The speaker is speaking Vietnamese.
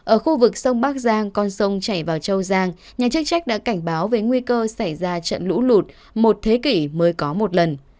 ở khu vực sông bắc giang con sông chảy vào châu giang nhà chức trách đã cảnh báo về nguy cơ xảy ra trận lũ lụt một thế kỷ mới có một lần